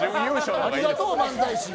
ありがとう漫才師。